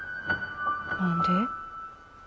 何で？